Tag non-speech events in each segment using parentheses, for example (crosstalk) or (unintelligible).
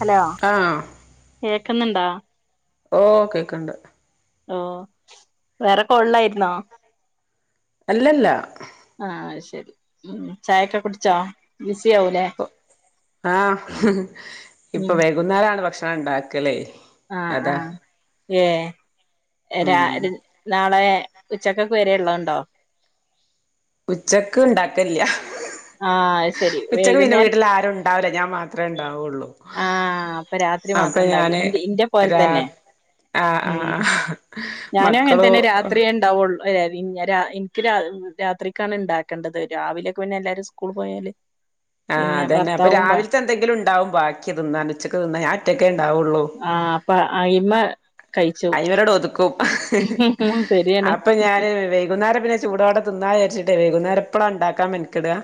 Hello ആഹ് കേക്ക്ന്ന്ണ്ടാ ഓ കേക്ക്ണ്ട്. ഓ വേറെ കോള്ലായിരുന്നൊ. അല്ലല്ല ആഹ് അത് ശെരി. ഉം ചായൊക്കെ കുടിച്ചോ ബിസി ആവുലേ. ഇപ്പൊ ആഹ്. ഇപ്പൊ ഉം വൈകുന്നേരാണ് ഭക്ഷണ ഇണ്ടാക്കലെ. ആഹ് ആഹ് ഏഹ് രാ ഉം നാളെ ഉച്ചക്കൊക്ക് വരെ ഇള്ളത്ണ്ടൊ. ഉച്ചക്ക് ഇണ്ടാക്കൽല്ല. ആഹ് അത് ശരി ഉച്ചക്ക് പിന്നെ വൈകുന്നേരം വീട്ടിലാരൊ ഇണ്ടാവുല്ല. ഞാൻ മാത്രേ ഇണ്ടാവൊള്ളൂ. ആഹ് അപ്പൊ രാത്രി മാത്രം ഇണ്ടാവല്. ഇന്റെ ഇന്റെ പോലെ രാ തന്നെ ആഹ് ഉം. (inaudible) ഞാനും അങ്ങന് തന്നെ രാത്രിയേണ്ടാവുള്ളൂ (unintelligible) ഇൻക്ക് രാ രാത്രിക്കാണ് ഇണ്ടാക്കണ്ടത് രാവിലെയൊക്കെ പിന്നെ എല്ലാരും സ്കൂൾ പോയാല് ആഹ് പിന്നെ അതന്നെ അപ്പ ഭർത്താവും രാവിൽത്തെ എന്തെങ്കിലും ഉണ്ടാവും ബാക്കി തിന്നാന് ഉച്ചക്ക് തിന്നാ ഞാ ഒറ്റക്കെ ഇണ്ടാവുള്ളൂ ആഹ് അപ്പൊ അയ്മെ കഴിച്ച് (unintelligible) ട് ഒതുക്കും ശരിയാണ് അപ്പ ഞാന് വൈകുന്നേരം പിന്നെ ചുടോടെ തിന്നാ വിചാരിച്ചിട്ടേ വൈകുന്നേരം ഇപ്പളാ ഇണ്ടാക്കാൻ മെൻകെടാ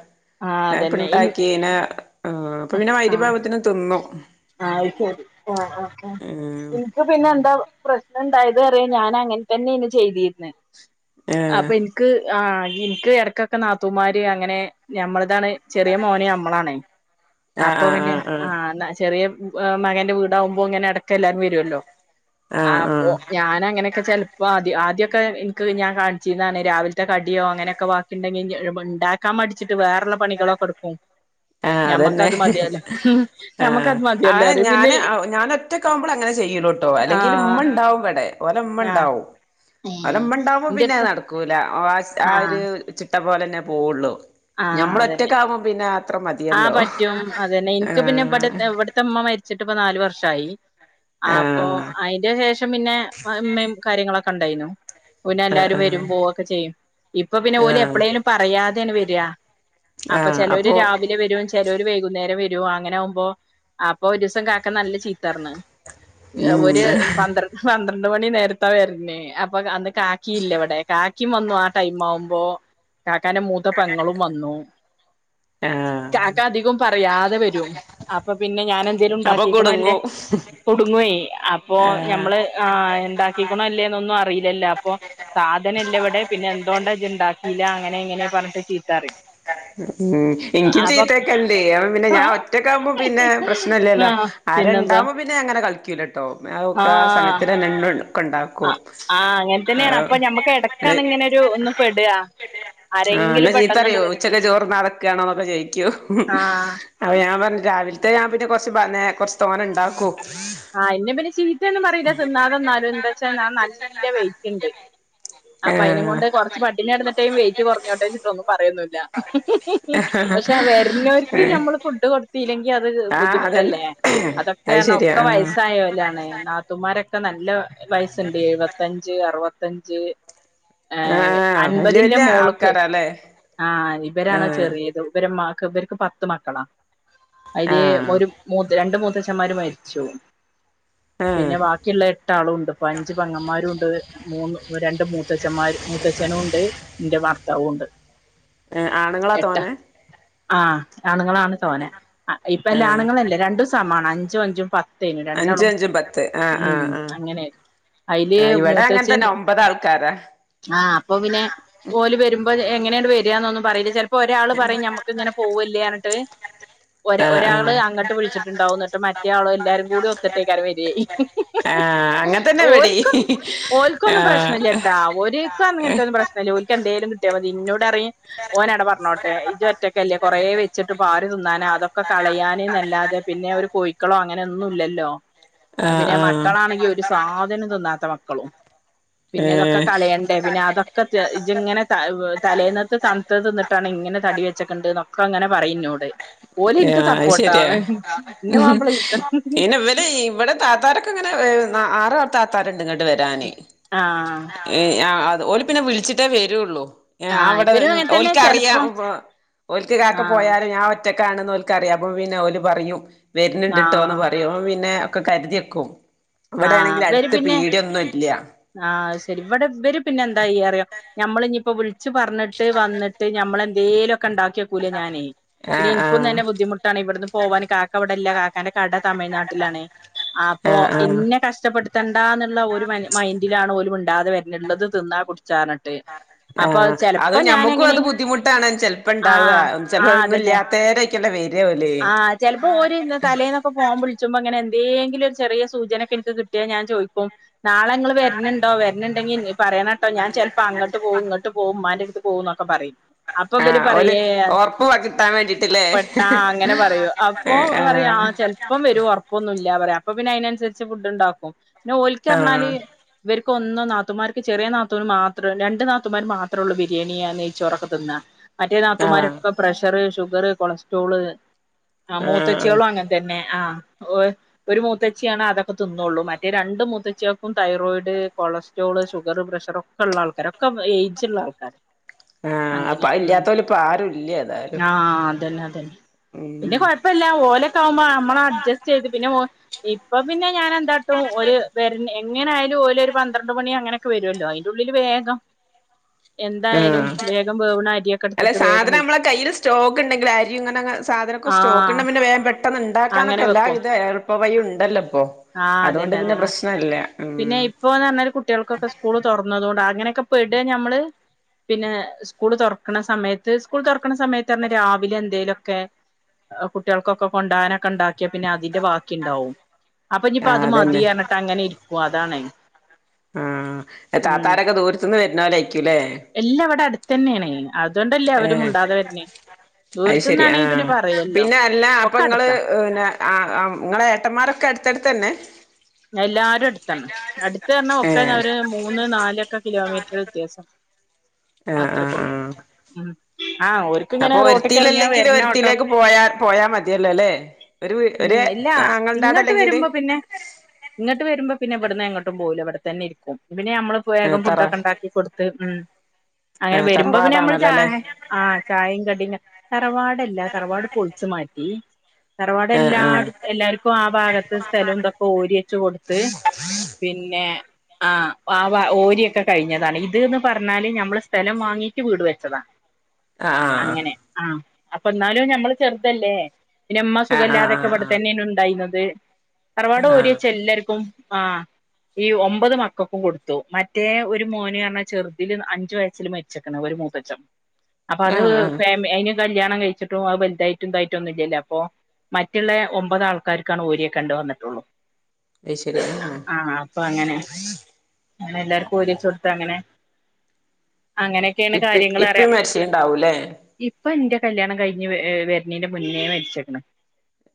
ആഹ് ഞാൻ അതന്നെ ഇൻ ഇപ്പണ്ടാക്കൈനാ ആഹ് അപ്പ പിന്നെ മഗ്രിബാവുമ്പോത്തിനും തിന്നും ആഹ് അത് ശരി ആഹ് ആഹ് ആഹ് ഉം ഇൻക്ക് പിന്നെന്താ പ്രശ്നംണ്ടായത് അറിയ ഞാനങ്ങൻ തന്നെയ്ന്നു ചെയ്തിര്ന്നെ ഏഹ് അപ്പൊ ഇൻക്ക് ആ ഇൻക്ക് എടക്കൊക്കെ നാത്തൂമാര് അങ്ങനെ ഞമ്മളതാണ് ചെറിയ മോന് ഞമ്മളാണേ ആഹ് അപ്പൊ പിന്നെ ആഹ് ആ ന്നാ ചെറിയ ആഹ് മകന്റെ വീടാകുമ്പോ ഇങ്ങനെ എടക്ക് എല്ലാരും വരൊല്ലോ ആഹ് അപ്പൊ ഞാൻ അങ്ങനെയൊക്കെ ചെലപ്പോ ആദ്യം ആദ്യ ഒക്കെ ഇൻക്ക് ഞാൻ കാണിച്ചിന്നാണ് രാവി ത്തെ കടിയോ അങ്ങനെയൊക്കെ വാക്കി ഇണ്ടെങ്കി (unintelligible) ഇണ്ടാക്കാൻ മടിച്ചിട്ട് വേറെള്ള പണികളൊക്കെടുക്കും. ആഹ് ഞമ്മക്ക് അതന്നെ അത് മതിയാലേ ഞമ്മക്കത് മതിയല്ലോ അറിയ പിന്നെയ് ഒറ്റക്കാകുമ്പള അങ്ങനെ ചെയ്യൂലൂട്ടോ അല്ലെങ്കില് ഇമ്മ ഇണ്ടാവും ഇവടെ ഓലെ ആഹ് ഇമ്മണ്ടാവും. ഓലെ ഇമ്മണ്ടാവുമ്പോ പിന്നെ ഇന്റെടുത്ത് അത് നടക്കൂല ആ ആഹ് ഒരു ചിട്ട പോലെന്നെ പോവുള്ളു. ആഹ് ഞമ്മള് അതന്നെ ഒറ്റക്കാവുമ്പം പിന്നാ ആഹ് പറ്റും അതന്നെ ഇൻക്ക് പിന്നെ ഇവിടെ ആഹ് ഇവിടുത്തെമ്മ മരിച്ചിട്ട് ഇപ്പ നാല് വർഷായി. ആപ്പൊ ആഹ് അയിന്റെ ശേഷം പിന്നെ ഇമ്മയും കാര്യങ്ങളൊക്കെ ഇണ്ടായിനു. ഓല് അല്ലാരും വരും ആഹ് പോവൊക്കെ ചെയ്യും ഇപ്പൊ പിന്നെ ഓല് ആഹ് എപ്പളേലും പറയാതേണ് വെരാ അപ്പൊ ചെലോര് രാവിലെ വരും ചെലോര് വൈകുന്നേരം വരും അങ്ങനാവുമ്പോ അപ്പൊ ഒരുസം കാ ക്ക നല്ല ചീത്തറ്ഞ്ഞ് ഉം ഒര് പന്ത്ര പന്ത്രണ്ട് മണി നേരത്ത വര്ണേ അപ്പൊ അന്ന് കാക്കില്ല ഇവടെ കാക്കിം വന്നു ആ ടൈം ആവുമ്പോ കാക്കാന്റെ മൂത്ത പെങ്ങളും വന്നു. ആഹ് കാക്ക അധികും പറയാതെ വരും അപ്പൊ പിന്നെ ഞാനെന്തേലും അപ്പൊ ഇണ്ടാക്കിക്ക്ണൊ ഇല്ലേ കുടുങ്ങും കുടുങ്ങൊയ് അപ്പൊ ആഹ് ഞമ്മള് ആഹ് ഇണ്ടാക്കിക്ക്ണോ ഇല്ലേന്നൊന്നും അറിയില്ലലോ അപ്പൊ സാധന ഇല്ലെ ഇവടെ പിന്നെ എന്തോണ്ട ഇജ്ജ് ഇണ്ടാക്കില്ല അങ്ങനെ ഇങ്ങനെ പറഞ്ഞിട്ട് ചീത്തറിം. ഉം ഇൻക്കും ചീത്തേക്കല്ണ്ടേ അപ്പ പിന്നെ ഞാൻ ഒറ്റക്കാവുമ്പോ പിന്നെ പ്രശ്നല്ലല്ലോ. ആ പിന്നെന്താ ആരേൽണ്ടാവുമ്പോ പിന്നെ അങ്ങനെ കളിക്കൂലട്ടോ അ ഒക്കെ ആ സമയത്തിനന്നെ ഇങ്ങ ക്കെണ്ടാക്കും ആ അങ്ങനെ തന്നെയാണ് അപ്പൊ ഞമ്മക്ക് എടക്കാണ് ഇങ്ങനെ ഒരു ഒന്ന് പെടുക (unintelligible) ആഹ് ഇന്നെ ആരെങ്കിലും പെട്ടെന്നണ്ട് ചീത്തറിയോ വരും ഉച്ചക്ക് ചോറ്ന്നാതെക്കാണോന്നക്കെ ചോയിക്കും ആഹ് അപൊ ഞാൻ പറഞ്ഞു രാവിൽത്തെ ഞാൻ പിന്നെ കൊറച്ച് പറഞ്ഞേ കൊറച്ച് തോനെ ഇണ്ടാക്കു ആഹ് ഇന്നെ പിന്നെ ചീത്ത ഒന്നും പറീല്ല തിന്നാതെന്നാലും എന്താച്ചാ ഞാന് നല്ല വെയിറ്റ്ണ്ട് അപ്പൊ ആഹ് അയ്നെങ്കൊണ്ട് കൊറച്ച് പട്ടിനി കടന്ന്ട്ടേലും വെയിറ്റ് കൊറഞ്ഞോട്ടെയ്ച്ചിട്ടൊന്നും പറയൊന്നു ല പക്ഷെ വരുന്നോർക്ക് നമ്മള് ഫുഡ് കൊടുത്തിലെ ഇഞ്ഞത് ആഹ് അതന്നെ ബുദ്ധിമുട്ടല്ലേ അതൊക്കെ അത് അർഞ്ഞ ഒ ശരിയാ ആഹ് (unintelligible) ലാണ് നാത്തുമാരൊക്കെ നല്ല വയസ്സുണ്ട് എഴുപത്തഞ്ച് അറുപത്തഞ്ച് ഏഹ് ആഹ് വല്യ അൻപതിന്റെ വല്യ മോള്ക്ക് ആൾക്കാരാല്ലേ ആഹ് ഇവരാണത് ഏഹ് ചെറിയത് ഇവരെ ഇമ്മാക്ക് ഇവര്ക്ക് പ ത്ത് മക്കളാ അയില് ആഹ് ഒരു മൂതെ രണ്ട് മൂത്തച്ചന്മാര് മരിച്ചു ഏഹ് പിന്നെ ബാക്കിള്ളെ എട്ടാളുണ്ട് ഇപ്പൊ അഞ്ച് പെങ്ങന്മാരുണ്ട്. മൂന്ന് രണ്ട് മൂത്തച്ഛന്മാര് മൂത്തച്ഛനൂണ്ട് ഇന്റെ ഭർത്താവൂണ്ട്. ഏഹ് ആണ്ങ്ങളാ തോനെ? ആഹ് ആണുങ്ങളാണ് തോനെ ഇപ്പ എല്ലാ ഏഹ് ആണുങ്ങളല്ലേ രണ്ടും സമാണ് അഞ്ചും അഞ്ചും തേനു അഞ്ച് രണ്ടാളും അഞ്ചും പത്ത് ആഹ് ഉം ആഹ് ആഹ് അങ്ങനെ അയ്ല് ആഹ് ഇവിടെ അങ്ങനെ മൂത്തച്ഛന് തന്നെ ഒമ്പത് ആൾക്കാരാ ആഹ് അപ്പൊ പിന്നെ ഓല് വരുമ്പോ എങ്ങനെണ് വരന്നൊന്നും പറയില്ല ചില പ്പൊ ഒരാള് പറയും നമ്മക്ക് ഇങ്ങനെ പോവൂലർഞ്ഞിട്ട് ഒ ഒരാൾ ഒരാള് അങ്ങോട്ട് വിളിച്ചിട്ടുണ്ടാവുന്ന ന്നട്ട് മറ്റേ ആള ഒത്തട്ടേക്ക വര ആഹ് അങ്ങനെ തന്നെ ഇവിടേം ഓര്ക്കും ഓര്ക്കുംന്നും ഓര്ക്കൊന്നും പ്രശ്നല്ലട്ടാ ആഹ് ഒരിക്കും അങ്ങനത്തെന്നും പ്രശ്നല്ല ഓര്ക്ക് എന്തേലും കിട്ടിയ മതി ന്നോട് പറി ഓനടടെ പറഞ്ഞോട്ടെ ഇജ്ജ് ഒറ്റക്കല്ലേ കൊറേ വെച്ചിട്ട് പാര് തിന്നാന അതൊക്കെ കളയാനന്നല്ലാതെ പിന്നെ ഒരു കോയിക്കളോ അങ്ങനെയൊന്നുംല്ലല്ലോ ആഹ് പിന്നെ ആഹ് മക്കളാണെങ്കി ഒരു സാധനം തിന്നാത്ത മക്കളും പിന്നെ ഇതൊക്കെ ഏഹ് കളയണ്ടേ പിന്നെ അതൊക്കെ ഇജ്ജ് ഇങ്ങനെ ത തലേന്നത്ത് തണുത്ത തിന്നിട്ടാണ് ഇങ്ങനെ തടി വെച്ചക്കണ്ട് ന്നൊക്കെ ങ്ങനെ പറയുന്നോട് ഓലെനിക്ക് ആഹ് അത് സപ്പോർട്ടാണ് ന്റെ മാപ്പള പിന്ന ഇവടെ വിടെ താത്താരൊക്കെങ്ങനെ ആറ താത്താരുണ്ട് ങ്ങോട്ട് വരാന് ആഹ് ഓല് പിന്നെ വിളിച്ചിട്ടേ വരുള്ളു ആഹ് അവിടെ ഇവരും അങ്ങൻതന്നെ ഓൽക്കറിയാം ചെലപ്പം ഓൽക്ക് ക്കെ കാക്ക ആഹ് പോയാലും ഞാ ഒറ്റക്കാണെന് ഓൽക്കറിയാം അപ്പ പിന്നെ ഓല് പറയും വര്ണണ്ട്ട്ടോന്ന് ആഹ് പറയും അപ്പ പിന്നെ ഒക്കെ കരുതിക്കെ ക്കും ആഹ് വിടെണെങ്കിൽ ഇവര് അടുത്ത് പിന്നെ പീടിയൊന്നുംല്ല ആഹ് ശരി ഇവിടെ ഇവര് പിന്നെ ന്തായ്യാ അറിയോ ഞമ്മൾ ഇഞിപ്പോ വിള് ച്ച് പറഞ്ഞിട്ട് വന്നിട്ട് ഞമ്മളെന്തേലുക്കെ ഉണ്ടാക്കിയോക്കൂല ഞാനേ പിന്നെ ആഹ് ഇൻക്കും ആഹ് തന്നെ ബുദ്ധിമുട്ടാണ് ഇവിടന്ന് പോവാൻ കാക്ക ഇവിടെല്ല കാക്കാന്റെ കട തമിഴ്നാട്ടിലാണ് ആപ്പൊ ആഹ് ആഹ് കഷ്ടപ്പെടുത്തണ്ടാന്നുള്ള ഒരു മൈൻഡിലാണ് പോലും മുണ്ടാതെ വരുന്നത് ള്ളത് തിന്നാ കുട്ച്ചാ ട്ടെ ആഹ് അത് ഞമ്മക്കും അത് ബുദ്ധിമുട്ടാണ് ചെിലപ്പോണ്ടാവ ആഹ് ചിലപ്പോ ആഹ് ഒന്നും അതന്നെ ഇല്ലാത്തേര ക്കല്ലേ വരോല് ആഹ് ചെൽപ്പോ ഓല് തലേന്നൊക്കെ ഫോൺ വിളിച്ചുമ്പോങ്ങനെ എന്തെലും ഒരു ചെറിയ സൂ സൂചനക്കെ ഇൻക്ക് കിട്ടിയാ ഞാൻ ചോയ്ക്കും നാളെ നിങ്ങൾ വരുന്നുണ്ടോ വരുന്നുണ്ടെങ്കിൽ പറയനട്ടോ ഞാൻ ചെൽപ്പോ അങ്ങോട്ട് പോവും ഇങ്ങോട്ട് പോവും ഉമ്മാൻ്റെറടുത്ത് ക്ക് പോന്നൊക്കെ പറയും പോ അപ്പൊ ബല് ആഹ് ഓല് പറയേ ഒറപ്പ് വ കിട്ടാൻ വേണ്ടിട്ടില്ലേ പെട്ടാ അങ്ങനെ പറയൂ അപ്പൊ ആഹ് പറയാ ആഹ് ചെൽ ഇപ്പം വരും ഓർപ്പൊന്നുംല്ല പറയാ അപ്പൊ പിന്നെ അതിനനുസരിച്ച് ഫുഡ്ണ്ടാക്കും പിന്നെ ഓലിക്കറിഞ്ഞാല് ഇവർക്ക് ഒന്നോ നാത്തുമാർക്ക് ചെറിയ നാത്തൂർ മാത്രം രണ്ട് നാത്തുമാർ മാത്രള്ളൂ ബിരിയാണി നൈച്ചോറൊക്കെ തിന്നാ മറ്റേ ആഹ് ആഹ് നാത്തുമാരൊക്കെ പ്രഷർ ഷുഗർ കൊളസ്ട്രോള് ആ ആഹ് മൂത്തച്ചെളും അങ്ങനെ തന്നെ ആ ഒരു മൂത്ത ച്ചാണ് അതൊക്കെ തിന്നുള്ളൂ മറ്റേ രണ്ട് മുത്തച്ചിൾക്കും തൈറോയിഡ് കൊളസ്ട്രോള് ഷുഗർ പ്രഷർക്ക ഒ ഉള്ള ആൾക്കാരാ ഒക്കെ ഏജുള്ള ആൾക്കാരാ ആഹ് അപ്പൊ അങ്ങനെ ഉം അതില്ലാത്തോല് ഇപ്പ ആരും ഇല്ല ഏതായാലും ആ അതന്നെ അതന്നെ പിന്നെ ഉം കൊഴപ്പല്ല ഓലൊക്കെ ആകുമ്പോ നമ്മള അഡ്ജസ്റ്റ് ചെയ്ത് പിന്നെ ഇപ്പൊ പിന്നെ ഞാൻ എന്താട്ടും ഒരു വര എങ്ങനെയാലും ഓലരു പന്ത്രണ്ട് മണിങ്ങനെ വരുല്ലോ അതിന്റെള്ളിൽ വേഗം എന്തായാലും ആഹ് വേഗം വേവണ അരിയൊക്കെ അല്ലെ എടുത്തിട്ട് വേഗം സാധന വെച്ച് നമ്മളെ കയ്യിൽ സ്റ്റോക്ക്ണ്ടെങ്കിൽ അരി ഇങ്ങനെ സാധനം ആ സ്റ്റോക്ക്ണ്ടെ പിന്നെ വേം അങ്ങനെ പെട്ടന്നുണ്ടാക്കാനൊക്കെ എല്ലാവിധം എളുപ്പ വഴിണ്ടല്ലപ്പോ ആഹ് അതന്നെ അതന്നെ പിന്നെ ഇപ്പൊന്ന് പറഞ്ഞാല് കുട്ടികൾക്കൊക്കെ സ്കൂൾ തൊർന്നതോണ്ട് അങ്ങനെക്കെ പെടാ ഞമ്മള് പിന്നെ സ്കൂൾ തെർക്കണ സമയത്ത് സ്കൂൾ തൊർക്കണ സമയത്താർഞ്ഞാ രാവിലെ എന്തെലൊക്കെ കുട്ട്യാൾക്കൊക്കെ കൊണ്ടാനക്കെ ണ്ടാക്കി പിന്നെ അതിന്റെ വാക്കിണ്ടാവും അപ്പൊഞിപ്പോ ആഹ് അത് അതന്നെ മതിയർഞ്ഞിട്ട് അങ്ങനെരിക്കു അതാണ് ആഹ് താത്താരക്കെ ദൂര്ത്ത്ന്ന് വര് നോലയ്ക്ക്യുല്ലേ എല്ലാംവടെ അട്ത്തന്നെണെയ് അതോണ്ടല്ലേ അവരും ഏഹ് മുണ്ടാതെ വര്ന് അത് ശെരി ദൂരത്തുന്നാണെങ്കി പിന്നെ പറയല്ലോ ഒക്കെ അട്ത്താ ഒഹ് നെ ആഹ് അം ങ്ങളെ ഏട്ടമ്മാരൊക്കെ എട്ത്തട്ത്തന്നെ എല്ലാരുഎട്ത്താണ് അട്ത്ത്ർണ ഒക്കെന്ന ഏഹ് ഒര് മൂന്ന് നാല് ക്കകിലോമീറ്റ്റ് വിത്യാസം ആഹ് ആഹ് അത്രക്കൊള്ളൂ ആഹ് ഉം ആഹ് ഓല് അപ്പൊ ഒരുത്തിലല്ലെങ്കില് ഒര്ത്തിലേക്ക് പോയാ പോയാ മതിയല്ലോല്ലെ ഒരു വീ ഉം ഒര് ഇല്ല ഇങ്ങട്ട് ആങ്ങൾൻ്റാടെല്ലെങ്കില് വരുമ്പോ പിന്നെ ഇങ്ങട്ട് വരുമ്പോ പിന്നെവിടുന്ന് എങ്ങോട്ടും പോവൂല ബടതന്നെ ഇരിക്കും പിന്നെ യമ്മള് ആഹ് വേഗം തറ ഫുഡ്ഡൊക്കൊണ്ടാക്കി കൊട് ത്ത് ഉം അങ്ങനെ ആഹ് വരുമ്പോ പിന്നെ യമ്മ്ള് തറവാടാണല്ലോ അല്ലേ ചായ ആഹ് ചായിം കടിം ങ്ങ തറവാടല്ല തറവാട് പൊൾച്ചു മാറ്റി തറവാട് ആഹ് എല്ലാട് എല്ലാര്ക്കും ആഹ് ഭാഗത്ത് സ്ഥലുംതൊക്കെ ഓരിയെച്ച് കൊട്ത്ത് പി പിന്നെ ആഹ് ആഹ് വാ ഓരിയൊക്കെ കഴിഞ്ഞതാണ് ഇത് ന്ന് പർണാല് ഞമ്മള സ്ഥലം വാങ്ങീറ്റ് വീട് വെച്ചതാ ആഹ് അങ്ങനെ ആഹ് അപ്പന്നാലും ഞമ്മള് ചെർതല്ലേ പിന്നെമ്മ ആഹ് ആഹ് സുഖാല്ലാതെക്കെ ആഹ് ആഹ് ആഹ് ഇബടത്തന്നെണുണ്ടായിന്നത് തറവാട് ഓരി ആഹ് എല്ലര്ക്കും ആഹ് ഈ ഒമ്പത് മക്കക്കും കൊടുത്തു മറ്റേ ഒരു മോന് അർഞ്ഞാ ചെർതില് അഞ്ച് വയസ്സില് മരി ച്ചക്ക്ണ് ഒര് മൂത്തച്ചം അപ്പൊ അത് ആഹ് ആഹ് ഫേമി ഐന് കല്യാണം കയ്ച്ചിട്ടും അത് ബൽതായിറ്റും തായിറ്റൊന്നുല്ല്യല്ല അപ്പൊ മറ്റ്ള്ളേ ഒമ്പത് ആൾക്കാര്ക്കാണ് ഓരിയെകണ്ട് വന്ന്ട്ടൊള്ളൂ അയ് ശര്യ അഹ് ആഹ് അപ്പൊ അങ്ങനെ ങ്ങനെ എല്ലാര്ക്കും ഓരിച്ചോട്ത്താ അങ്ങനെ അങ്ങനെ ഇപ്പെക് ഇപ്പിം മരിശ്ശീണ്ടാവുല്ലേ ഇപ്പ ഇന്റെ കല്യാണം കഴിഞ് വെ വെര്നേന്റെ മുന്നേ മരിച്ചേക്ക്ണ്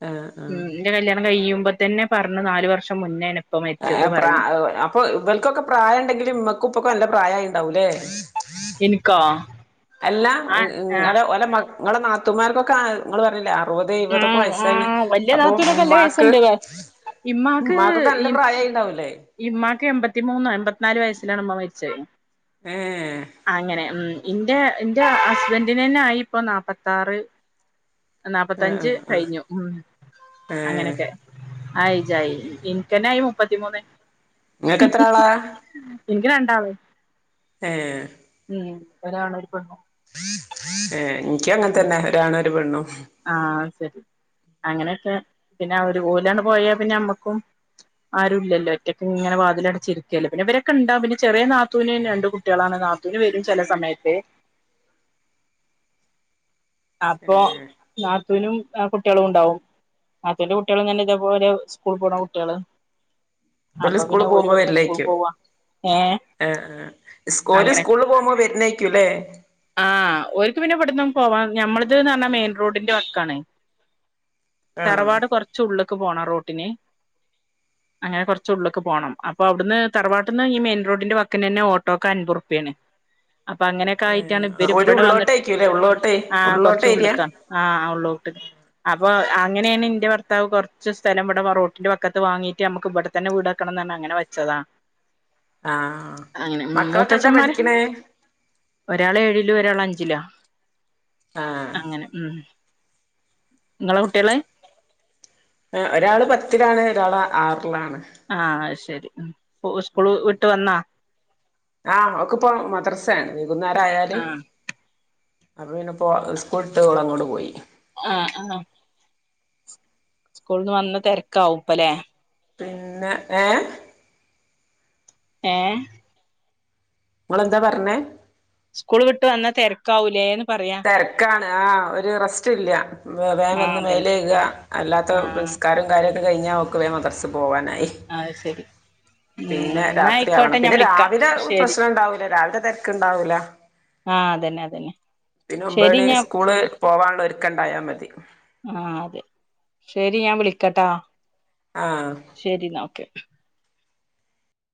ആഹ് ഉം ആഹ് ഇന്റെ കല്യാണം കഴിയുമ്പതന്നെ പർണ് നാലു വർഷം മുന്നേ ന്പ്പ മര്ച്ചത് പറയിണ്ട് പ്പൊ ഇവൾക്കൊക്കെ പ്രായംണ്ടെങ്കില് മ്മക്കുപ്പൊക്കൊല്ല പ്രായയിണ്ടാവുലേ എൻക്കോ അല്ല ഇങ്ങളെ ഓല മക് ഇങ്ങളെ നാത്തുമാര്ക്കൊക്കെ ങ്ങള് പർഞ്ഞില്ല പോതെയ് വതൊക്ക ആഹ് വയസ്സയ്ള് ആഹ് വല്യ അപ്പൊ നാത്തൂനൊക്കെ നല്ല മ്മാക്ക് വയസ്സുണ്ട് മ്മാക്കൊക്കെ നല്ല പ്രായായിണ്ടാവുലേ ഈമ്മാക്ക് എമ്പത്തിമൂന്നോ എമ്പത്ത്നാല് വയസ്സിലാണ് മ്മ മരിച്ചത് ഏഹ് എഹ് അങ്ങനെ ഉം ഇൻ്റെ എന്റെ ഹസ്ബൻൻ്റിനന്നെ ആയി ഇപ്പൊ നാപ്പത്താറ് ആഹ് നാപ്പത്തഞ്ച് ആഹ് ആഹ് കഴിഞ്ഞു ഉം ഏഹ് അങ്ങനെയൊക്കെ ആയ്ജായി ഇൻക്കന്നായി മുപ്പത്തിമൂന്ന് ഇങ്ങക്കത്രാളാ ഇൻക്ക് രണ്ടാള് ഏഹ് ഉം ഒരാണൊര് പെണ്ണും ഏഹ് എനിക്കും അങ്ങനെത്തന്നെ ഒരാണും ഒരു പെണ്ണും ആഹ് ശരി അങ്ങനെയൊക്കെ പിന്നെ ഒരു പോലാണ് പോയാ പിന്നെ നമ്മക്കും ആരു ഇല്ലല്ലോ ഒറ്റക് ഇങ്ങനെ വാതിലടച്ച് അടച്ചിരിക്കുകല്ലേ പിന്നെവരൊക്കെണ്ടാവും പിന്നെ ചെറിയ നാത്തൂവിന് രണ്ട് കുട്ടികളാണ് നാത്തൂന് വരും ചില സമയത്ത് അപ്പൊ ഏഹ് നാത്തുനും ആ കുട്ടികളും ഉണ്ടാവും നാത്തൂന്റെ കുട്ടിളും ഇതേ പോലെ സ്കൂള് പോണ കുട്ടികള് വല് സ്കൂള് പോകുമ്പോ വരില്ലേക്കും ഏഹ് ആഹ് ആഹ് ഓല് സ്കൂളിൽ പോകുമ്പോൾ വരുന്നായിരിക്കുംല്ലേ ആഹ് ഓൽക്ക് പിന്നെ ഇവിട്ന്നും പോവാ, ഞമ്മളത്ന്ന്പറഞ്ഞാ മെയിൻ റോഡിന്റെ വക്കാണ് ആഹ് തറവാട് കൊറച് ഉള്ളക്ക് പോണം റോഡിന് അങ്ങനെ കുറച് ഉള്ളിക് പോണം അപ്പൊ അവിടുന്ന് തറവാട്ടിന്ന് ഈ മെയിൻ റോഡിന്റെ വക്കിന് തന്ന ഓട്ടോക്അമ്പത് റുപിയാണ് അപ്പൊ അങ്ങനെയൊക്കെ ആയിട്ടാണ് ഇവര് ഇവിടെ വന്നിട്ട് ഉള്ളോട്ടേ ഉള്ളോട്ട് ഏരിയ ആഹ് ഉള്ളോട്ട് അപ്പൊ അങ്ങനെയാണ് ഇന്റെ ഭർത്താവ് കുറച്ച് സ്ഥലം ഇവിടെ റോട്ടിന്റെ വക്കത്ത് വാങ്ങീട്ട് നമ്മുക്ക് ഇവിടെ തന്നെ വീട് വെക്കണം ന്ന് പറഞ് അങ്ങനെ വെച്ചതാ ആഹ് അങ്ങനെ ഉം മക്കളൊക്കെ എന്താ മൂത്തച്ഛന്മാര് പഠിക്ണേ ഒരാള് ഏഴിലും ഒരാള് അഞ്ചിലാ ആഹ് അങ്ങനെ ഉം നിങ്ങളെ കുട്ടികള് ഒരാള് പത്തിലാണ് ഒരാള് ആറിലാണ് ആഹ് അത് ശരി സ്കൂൾ വിട്ട് വന്നാ ആഹ് ഓൾക്കിപ്പോ മദ്രസയാണ് വൈകുന്നേരം ആയാല് ആഹ് അപ്പോ പിന്നപ്പോ സ്കൂൾട്ട് ഓളങ്ങോട്ട് പോയി. ആഹ് ആഹ് ക്കൂൾട്ട് വന്ന തെരക്കാവുപ്പല്ലേ? പിന്നെ ഏഹ്? ഏഹ് ഇങ്ങളെന്താ പറഞ്ഞേ? സ്കൂൾ വിട്ട് വന്ന തെരക്കാവൂല്ലേന്ന്? തെരക്കാണ് ആഹ് ഒരു റസ്റ്റില്ല. വേം ആഹ് വന്ന് അതന്നെ മേലെഴുക അല്ലാത്ത ആഹ് നിസ്കാരം കാര്യക്കെ കഴിഞ്ഞാ അവക്ക് വേം മദ്‌റസ്ക്കോവാനായി. അത് ശരി ഉം പിന്നെ എന്നാ ആയിക്കോട്ടെ രാത്രിയാവണം ഞാൻ പിന്നെ വിളിക്കാം രാവിലെ ശരി പ്രശ്നണ്ടാവൂല രാവിലെ തെര് ക്ക്ണ്ടാവുല. ആഹ് അതന്നെ അതന്നെ. പിന്നെ ശരി ഒമ്പത്മണി ഞാൻ സ്കൂള് പോവാനുള്ള ഒരുക്കണ്ടായാ മതി. ആഹ് അതെ ശരി ഞാൻ വിളിക്കട്ടാ. ആഹ്. ശരിന്നാ ഓക്കെ.